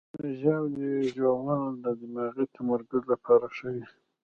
د ژاولې ژوول د دماغي تمرکز لپاره ښه وي.